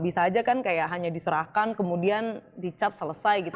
bisa aja kan kayak hanya diserahkan kemudian dicap selesai gitu